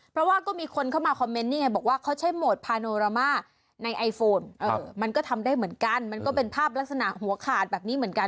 เพราะว่าก็มีคนเข้ามาคอมเมนต์นี่ไงบอกว่าเขาใช้โหมดพาโนรามาในไอโฟนมันก็ทำได้เหมือนกันมันก็เป็นภาพลักษณะหัวขาดแบบนี้เหมือนกัน